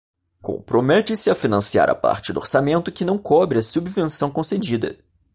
Compromete-se a financiar a parte do orçamento que não cobre a subvenção concedida.